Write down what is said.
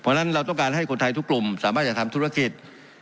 เพราะฉะนั้นเราต้องการให้คนไทยทุกกลุ่มสามารถจะทำธุรกิจ